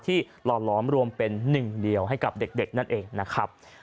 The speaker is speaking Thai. หล่อหลอมรวมเป็นหนึ่งเดียวให้กับเด็กนั่นเองนะครับ